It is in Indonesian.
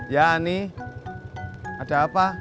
ya ani ada apa